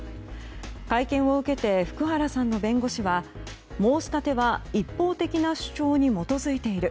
会見を受けて福原さんの弁護士は申し立ては一方的な主張に基づいている。